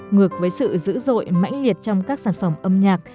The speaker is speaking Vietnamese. ngược với sự dữ dội mãnh liệt trong các sản phẩm âm nhạc